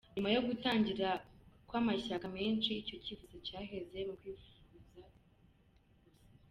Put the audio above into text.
Nyuma yo gutangira kw’amashyaka menshi icyo cyifuzo cyaheze mu kwifuza guza.